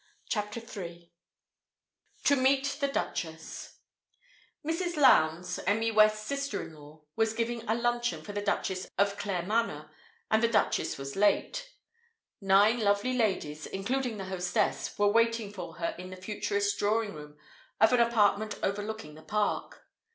CHAPTER III "TO MEET THE DUCHESS" Mrs. Lowndes, Emmy West's sister in law, was giving a luncheon for the Duchess of Claremanagh; and the Duchess was late. Nine lovely ladies (including the hostess) were waiting for her in the Futurist drawing room of an apartment overlooking the Park.